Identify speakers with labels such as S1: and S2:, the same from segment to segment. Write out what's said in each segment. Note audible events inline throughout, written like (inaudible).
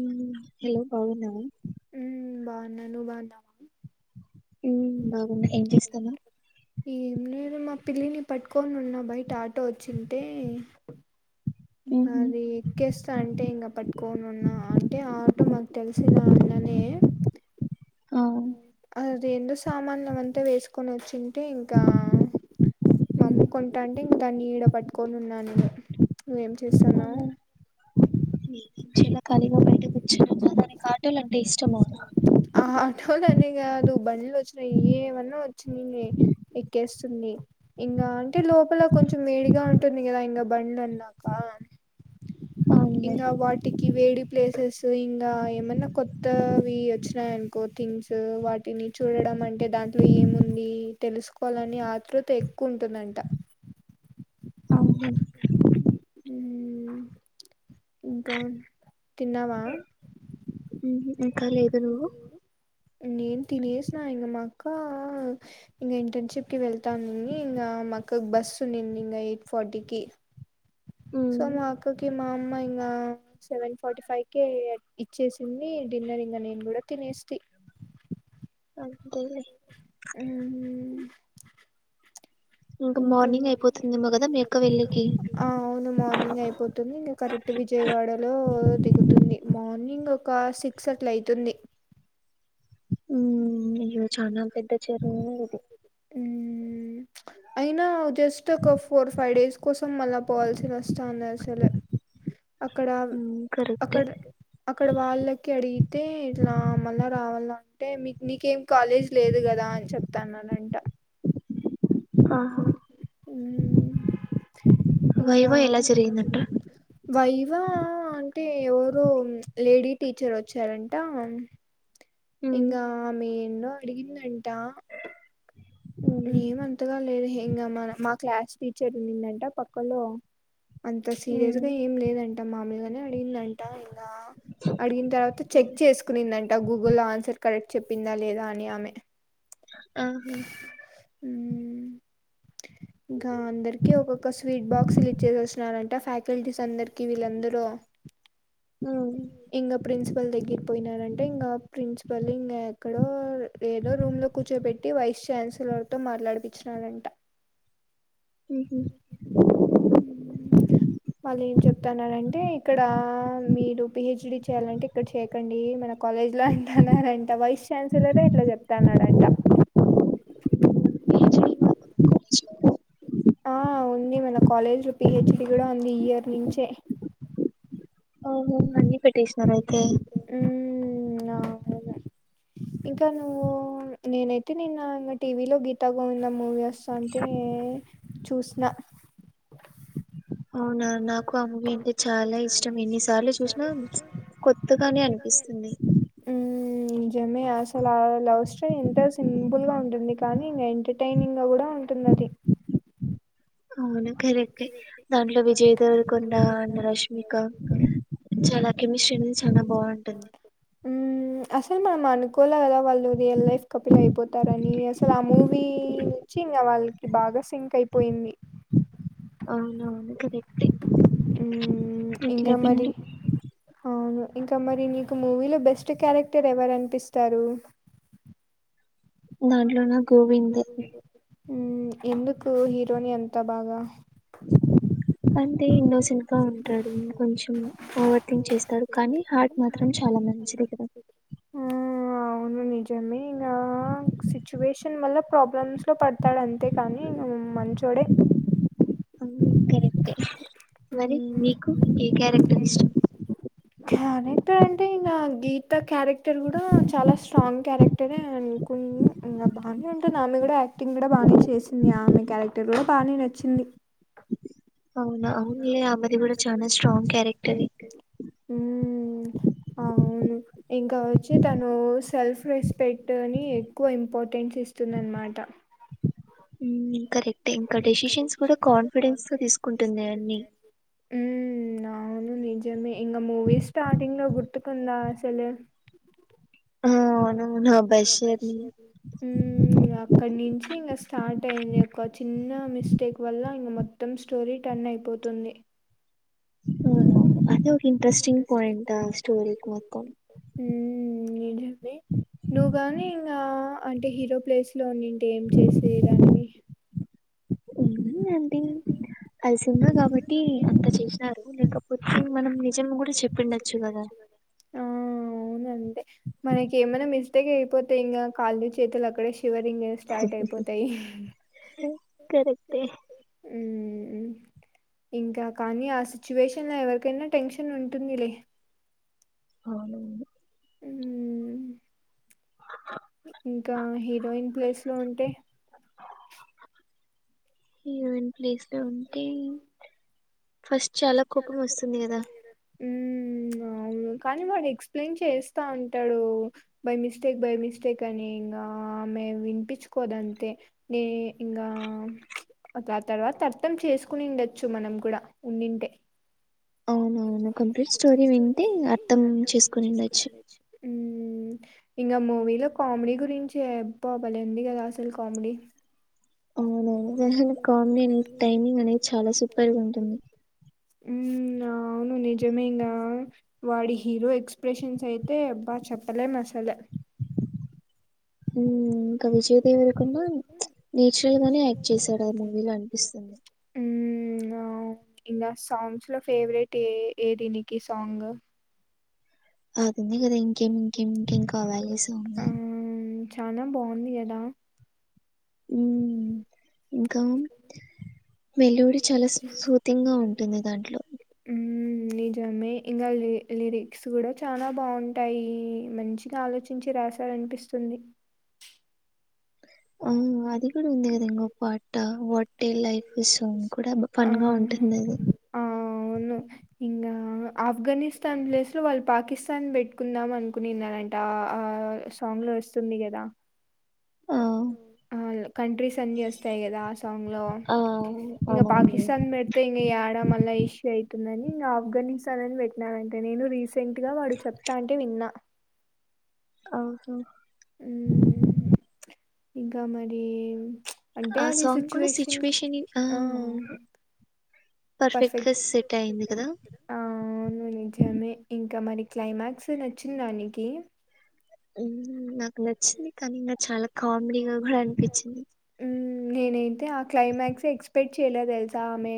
S1: ఉం లే బాగున్నావా.
S2: ఉ బాగున్నాను నువ్వు బాగున్నాను.
S1: ఉం బాగున్నాయి ఏం చేస్తాను.
S2: ఏమి లేదు మా పిల్లిని పట్టుకొని ఉన్న బయట ఆటో వచ్చుంటే. ఉం అది ఎక్కేస్తా అంటే ఇంకా పట్టుకొని ఉన్నా అంటే ఆటో మాకు తెలిసిన అన్ననే. అది ఎందుో సామాన్లుమంతా వేసుకొని వచ్చింటే ఇంకా మా అమ్మ కొంటా అంటే ఇంక దాన్ని ఈడ పట్టుకొని ఉన్నాను నువ్వేం చేస్తున్నావు.
S1: ఇలా కాలిగా బయట కూర్చుని ఉన్నాము దానికి ఆటో అంటే ఇష్టమా.
S2: ఆ ఆటోననే కాదు బండ్లు వచ్చినాయి ఏమన్నా వచ్చింది. ఎక్కేస్తుంది. ఇంగా అంటే లోపల కొంచెం వేడిగా ఉంటుంది కదా ఇంగా బండాన్నాక ఇంకా వాటికి వేడి ప్లేసెస్ ఇంకా ఏమన్నా కొత్త కొత్తవి వచ్చినాయనుకో థింగ్స్ వాటిని చూడడం అంటే దాంట్ల ఏముంది. తెలుసుకోవాలని ఆతృత ఎక్కువుంటుందంట
S1: అవును.
S2: ఉం ఇంకా తిన్నావా,
S1: ఉహు ఇంకా లేదు నువ్వు,
S2: నేను తినేసిన ఇంగ మా అక్కా, ఇంకా ఇంటర్న్షిప్ కి వెళ్తానునండి ఇంకా మా అక్క బస్ ఉ నింది ఇంకా ఎయిట్ ఫార్టీ కి, మా అమ్మాయింగా, సెవెన్ ఫార్టీ ఫైవ్ క ఇచ్చేసింది డిన్నర్ ఇంకా నేను కూడా తినేసిది.
S1: అంటేలి
S2: ఆ
S1: ఇంక మార్నింగ్ అయిపోతుందేమో కదా మీ అక్క వెళ్లేకి,
S2: ఆ అవును. మార్నింగ్ అయిపోతుంది ఇంక కరెక్ట్ విజయవాడ లో దిగుతుంది మార్నింగ్ ఒక సిక్ క్స్ అట్ల అయితుంది.
S1: మ్ అయ్యే చానా పెద్ద చెరువు ఇది
S2: మ్ అయినా జస్ట్ ఒక ఫోర్ ఫైవ్ డేస్ కోసం మళ్ళా పోవల్సినోస్తాంది అసలు అక్కడ అక్కడ్ అక్కడ వాళ్ళకి అడిగితే ఇట్లా మళ్ళ రావాల అంటే మీ నీకేం కాలేజ్ లేదు కదా అని చెప్తాననంట
S1: ఆహా వైవ ఎలా జరిగిందంట
S2: వైవ అంటే ఎవరో లేడీ టీచర్ వచ్చారంట ఇంగా ఆమె ఎన్నో అడిగిందంట ఏమంతగా లేదు ఇంగ మన మా క్లాస్ టీచర్ ఉనిందంట పక్కలో అంత సీరియస్ గా ఏం లేదంట మాములుగనే అడిగిందం ట ఇంగ అడిగిన తర్వాత చెక్ చేస్ కునిందంట గూగుల్లో ఆన్సర్ కరెక్ట్ చెప్పిందా లేదా అని ఆమె
S1: ఆహా
S2: మ్ ఇంకా అందరికి ఒక్కొక్క స్వీట్ బాక్స్లి ఇచ్చేసి వచ్చినారంట ఫ్యా ఫకల్టీస్ అందరికి వీళ్ళందరూ
S1: మ్
S2: ఇంగ ప్రిన్సిపల్ దగ్గిరికి పోయినారంటే ఇంగ ప్రిన్సిపల్ ఇంగ ఎక్కడో ఏేదో రూమ్ లో కూర్చోబెట్టి వైస్ ాన్సలర్ తో మాట్లాడిపిచ్చినారంట
S1: మ్ హు
S2: వాళ్ళు ఏం చెప్తన్నారంటే ఇక్కడ మీరు పిహెచ్డి చేయాలంటే ఇక్కడ చేయకండి మన కాలేజ్ లో ఇంటన్నారంట వైస్ ఛాన్సలరే ఇట్లా చెప్తన్నాడంట
S1: మేన నీక్ చెప్పు
S2: ఆ ఉంది మన కాలేజ్ పిహెచ్డి కూడా ఉంది ఇయర్ నించే
S1: అహా మళ్ళీ పెట్టేసినారా అయితే
S2: మ్ అవును ఇంకా నువ్వు నేనైతే నిన్న ఇంగ టీవీలో గీతాగోవిందాం మూవీ వస్ స్థాంటే చూసిన
S1: అవునా నాకు ఆ మువి అంటే చాలా ఇష్టం ఎన్ని సార్లు చూసినా కొత్తగానే అనిపిస్తుంది
S2: మ్ నిజమే అసల ఆ లవ్ స్టోరీ ఎంత సింపుల్ గా ఉంటుంది కానీ ఇంగ ఏంట టైనింగా కూడా ఉంటుంది అది
S1: అ అవును కరెక్ట దాంట్లో విజయ్ దేరకొండ అన్న రష్మిక చాలా కెమిస్ట్రీ అనేది చాలా బాగుంటది
S2: మ్ అసల్ మనం అనుకోలే కద వాళ్ళు రియల్ లైఫ్ కపుల్ అయిపోతారని అసల్ ఆ మూవీ నుంచి ఇంగ వాళ్ళకి బాగా సింక్ అయిపోయింది
S1: అవునవును కరెక్టే
S2: మ్ ఇంకా మరి అవును ఇంక మరి మికు మూవీలో బెస్ట్ క్యారెక్టర్ ఎవరనిపిస్తారు
S1: దాంట్లో నా గోవిందే
S2: మ్ ఎందుకు హీరోని అంత బాగా
S1: అంటే ఇన్నోసెంట్ గా ఉంటాడు కొంచెం ఓవర్ థింక్ చేస్తాడు కానీ హార్ట్ మాత్రం చాలా మంచిది కద
S2: ఉ అవును నిజమేగా సిచ్యువేషన్ వల్ల ప్రాబ్లమ్స్లో పడతాడు అంతే కాని ను మంచోడే
S1: కరెక్టే
S2: క్యారెక్టర్ అంటే ఇంగ గీత క్యారెక్టర్ కూడా చాలా స్ట్రాంగ్ క్యారెక్టర అండ్ కొన్ని ఇంకా బాగానే ఉంటుంది ఆమె కూడా యాక్టింగ్ కూడా బాగానే చేసింది ఆ ఆమె క్యారెక్టర్లో బాగానే నచ్చింది
S1: అవును అవునులే ఆమది కూడా చనా స్ట్రాంగ్ క్యారెక్టర్
S2: ఉమ్ అవును ఇంకా వచ్చి తను సెల్ఫ్ రెస్పెక్టని ఎక్కువ ఇంపార్టెన్స్ ఇస్తుందనమాట
S1: కరెక్ట్ ఇంకా డెసిషన్స్ కూడా కాన్ఫిడెన్స్ తో తీసుకుంటుంది అన్నీ
S2: ఉహ్మ్ అవును నిజమే ఇంగ మూవి స్టార్టింగ్ లో గుర్తుకుందాసలు ఆ నువ్వు నా బషేది ఇగా అక్కడ నుంచి ఇంక స్టార్ట్ అయింది ఒక చిన్న మిస్టేక్ వల్ల ఇం మొ మొత్తం స్టోరీ టర్న్ అయిపోతుంది
S1: అటూ ఒక ఇంట్రెస్టింగ్ పాయింట్ ఆ స్టోరికి మొత్తం
S2: ఉ ఏం ఆది నువ్వు గానీ ఇంగా అంటే హీరో ప్లేస్లోనింటె ఏం చేసే దానివి
S1: ఉండండి అది సినిమా గాబట్టి అంత చేసినారు లేకపోతే మనం నిజంగా కూడా చెప్పిండొచ్చు గదా
S2: ఆ అవున అంతే మనకి ఏమైనా మిస్టేక్ అయిపోతే ఇంగా కాళ్ళు చేతులు అక్కడ శివరింగ స్టార్ట్ అయిపోతాయి
S1: కరెక్టే
S2: ఉ హుమ్ ఇంక కానీ ఆ సిచ్యువేషన్ లో ఎవరికైనా టెన్షన్ ఉంటుందిలే
S1: అవును
S2: ఊ ఇంకా హీరోయిన్ ప్లేస్లో ఉంటే
S1: హీరోయిన్ ప్లేస్ లో ఉ టె ఫస్ట్ చాలా కోపం వస్తుంది కదా
S2: ఉ అవును కానీ వాడు ఎక్స్ప్లెయిన్ చేస్తా ఉంటడు బై మిస్టేక్ బై మిస్టేక్ అని ఇంకా ఆమె వినిపించుకోదుంతే నే ఇంగ ఆ తర్వాత అర్థం చేసుకు కునిండొచ్చు మనం కూడా ఉండింటే
S1: అవునవును కంప్లీట్ స్టోరీ వింటే అర్థం చేసుకోని ఉండొచ్చు
S2: హుం ఇంకా మూవీలో కామెడీ గురించి ఎంత భలే ఉంది కదా అసలు కామెడీ
S1: అవున అవును
S2: ఉమ్ అవును నిజమేంగా వాడి హీరో ఎక్స్ప్రెషన్స్ అయితే అబ్బా చెప్పలేం అసలు
S1: ఉమ్ ఇంకా విజయదేవర కొండ నేచురల్ గానే యాక్ట్ చేశాడు ఆ మూవీలో అనిపిస్తుంది
S2: ఉ ఆ ఇంగ సాంగ్స్ లో ఫేవరెట్ ఏ ఏది నీకి సాంగ్
S1: అందుంది కదా ఇంకేం ఇంకేం ఇంకేం కావాలే సా
S2: ఆ చానా బావుంది గదా ఉమ్ (inaudible)
S1: మెలోడీ చాలా స్మ్, స్మూతింగా ఉంటుంది దాంట్లో.
S2: ఉమ్మ్ నిజమే, ఇంకా లి, లిరిక్స్ గుడా చానా బావుంటాయి, మంచిగా ఆలోచ్ చించి రాశాడనిపిస్తుంది ఆ ఆ అవును ఇంగా ఆఫ్ఘనిస్తాన్ ప్లేస్ లో వాళ్ళు పాకిస్తాన్ పెట్టుకుందాం అనుకునిన్నారంట ఆ ఆ ఆస్ సాంగ్ లో వస్తుంది గదా ఆ కంట్రీస్ అన్ని ఓస్తాయి గదా ఆ సాంగ్ లో, ఇంగా పాకిస్తాన్ పెడ్త్ తే ఇంగ యాడా మళ్ళ ఇష్యూ అయితుందని, ఇంగ ఆఫ్ఘనిస్తాన్ అని పెట్నారంట నేను రీస్ సెంట్గా వాడు చెప్తాంటే విన్నా
S1: ఆవ్ హా
S2: ఉమ్ ఇంకా మడి అంటే అది సచ్చువేషన్కి ఆ
S1: పర్ఫెక్ట్ గా సెట్ అయింది కదా.
S2: ఆ అవును నిజమే ఇంకా మరి క్లైమాక్స్ నచ్చిందా నీకి.
S1: ఉహు నాకు నచ్చింది కానీ ఇంగా చాలా
S2: కామెడీ గా (inaudible) ఉమ్ నేనైతే ఆ క్లైమాక్స్ ఎక్స్పెక్ట్ చేయలే తెల్సా ఆమె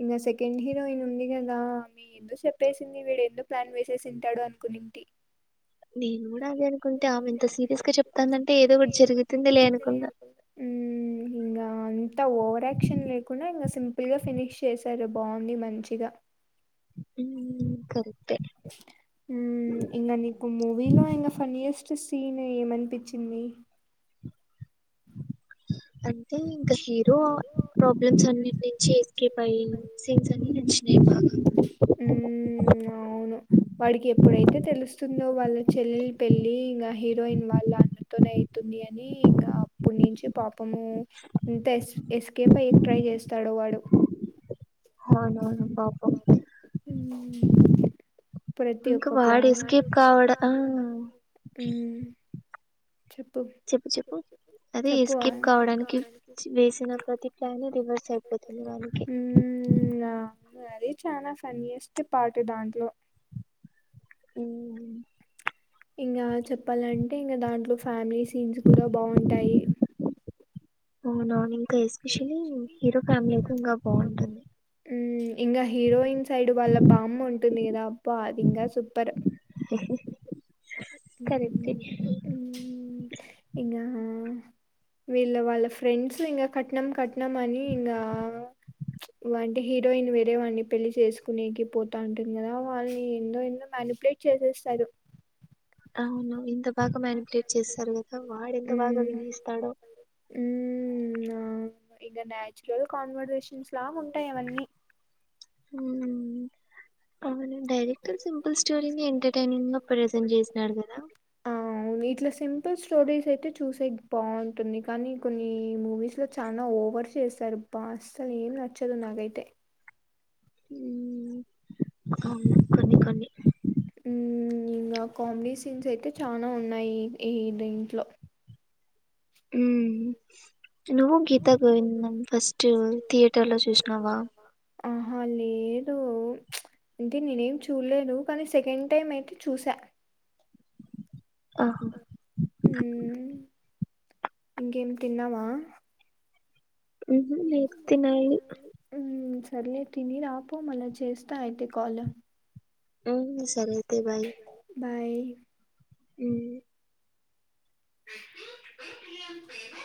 S2: ఇంగా సెకండ్ హీరోయిన్ ఉంది గదా ఆమె ఎందో చెప్పేసింది వీడు ఎందో ప్లాన్ వేసెసి ఉంటాడు అనుకునిద్ది
S1: నేను గుడా అదే అనుకుంటే ఆమె ఎంత సీరియస్ గా చెప్తాందంటే, ఏదో ఒకటి జరుగుతుందిలే అనుకున్న.
S2: ఉమ్మ్ హి దా అంత ఓవర్ యాక్షన్ లేకుండా, ఇంగా సింపుల్ గా ఫినిష్ చేశారు బాగుంది మంచిగా.
S1: ఉమ్ కరెక్టే
S2: ఉమ్ ఇంగా నీకు మూవీలో ఇంగా, ఫన్నియెస్ట్ సీన్ ఏమనిపిచ్చింది.
S1: అంటే ఇంకా హీరో ప్రాబ్లమ్స్ అన్నిటి నుంచి ఎస్కేప్ అయ్యి, సీన్స్ అన్ని నచ్చినాయి బాగా
S2: ఉమ్మ్ అవ్ అవును వాడికి ఎప్పుడైతే తెలుస్తుందో వాళ్ళ చెల్లెలి పెళ్లి ఇంగా హీరోయిన్ వాళ్ళ అన్ తోని అయితుంది అని ఇంగా అప్పుటి నుంచి పాపము ఇంతే ఎస్ ఎస్కేప్ అయ్యే ట్రై చేస్తాడు వాడు
S1: హావునవును పాపం ఇంకా వాడ్ ఎస్కేప్ కావడా ఆ
S2: ఉమ్మ్ చెప్పు
S1: చెప్పు చెప్పు అదే ఎస్కేప్ కావడానికి చి వేసిన ప్రతి ప్లాన్ రివర్స్ అయిపోతుంది వాళ్ళకి.
S2: ఉమ్ నా అది చాలా ఫన్నియస్ట్ పార్ట్ దాంట్లో
S1: ఉహుమ్
S2: ఇంగ చెప్పాలంటే ఇంగ దాంట్లో ఫ్యామిలీ సీన్స్ కూడా బాగుంటాయి
S1: అవునవును ఇంకా ఎస్పెషలీ హీరో ఫ్యామిలీకి ఇంకా బాగుంటుంది
S2: ఇంగ హీరోయిన్ సైడ్ వాళ్ళ భామ ఉంటుంది కదా అబ్బా అది ఇంకా సూపర్
S1: కరెక్ట్ యే
S2: ఇంకా వీళ్ళ వాళ్ళ ఫ్రెండ్స్ ఇంకా కట్నం కట్ నా మనీ ఇంగ అంటే హీరోయిన్ వేరే వాడిని పెళ్లి చేసుకునేకి పోత ఉంటుంది కదా వాళ్ళని ఎన్నో ఎన్నో మ్యానిపులేట్ చేసేస్తాడు
S1: అవును ఎంత బాగా మేనిపులేట్ చేస్తారు కదా వాడు ఎంత బాగా వినియిస్తాడో
S2: ఉ ఇంక నాచురల్ కాన్వర్సేషన్స్ లా ఉంటాయి అవన్నీ
S1: ఉమ్ అవును డైరెక్టర్స్ ఫుల్ స్టోరీని ఎంటర్టైనింగ్ గా ప్రెజెంట్ చేసినారు కదా
S2: ఆ అవును ఇట్లా సింపుల్ స్టోరీస్ అయితే చూసేకి బాగుంటుంది కానీ కొన్ని మూవీస్లో చాలా ఓవర్ చేస్తారు బ అసలు ఏం నచ్చదు నాకైతే
S1: ఉమ్ అవును కొన్ని కొన్ని
S2: హుం ఇంకా కామెడీ సీన్స్ అయితే చానా ఉన్నాయి ఈ దీంట్లో
S1: ఉ నువ్వు గీతా గోవిందం ఫస్ట్ థియేటర్ లో చూసినావా
S2: ఆహా లేదు అంటే నేనేం చూడలేడు కానీ సెకండ్ టైం అయితే చూసా
S1: ఆహ
S2: హుం ఇంకేమి తిన్నావా
S1: ఉహు లేదు తినాలి
S2: ఉ సర్లే తిని రాపో మళ్ళా చేస్తా అయితే కాల్ బాయ్
S1: ఉమ్
S2: (inaudible)